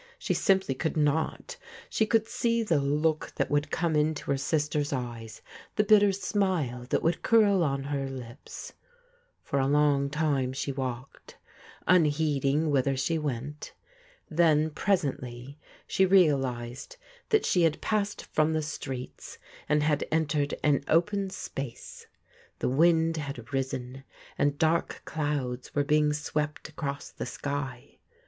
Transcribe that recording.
She simply could not. She could see the look that would come into her sister's eyes, the bitter smile that would curl on her lips. For a long time she walked, unheeding whither she went. Then presently she realized that she had passed from the streets and had entered an open space. The wind had risen, and dark clouds were being swept across tho'sky.